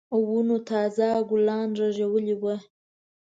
ونو تازه ګلان رېژولي وو.